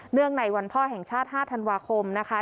ในวันพ่อแห่งชาติ๕ธันวาคมนะคะ